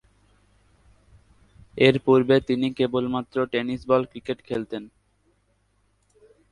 এরপূর্বে তিনি কেবলমাত্র টেনিস-বল ক্রিকেট খেলতেন।